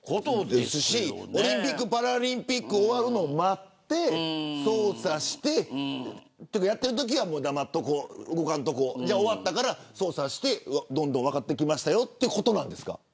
オリンピック、パラリンピック終わるのを待って捜査して、やっているときは黙っておこう動かないでおこうと終わったから捜査してどんどん分かってきましたよということなんですか。